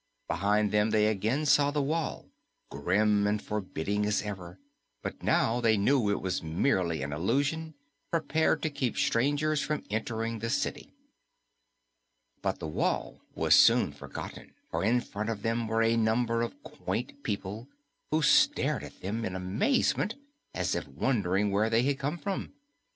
Behind them they again saw the wall, grim and forbidding as ever, but now they knew it was merely an illusion prepared to keep strangers from entering the city. But the wall was soon forgotten, for in front of them were a number of quaint people who stared at them in amazement as if wondering where they had come from.